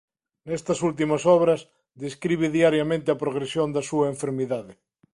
Nestas últimas obras describe diariamente a progresión da súa enfermidade.